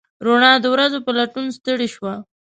روڼا د ورځو په لټون ستړې شوه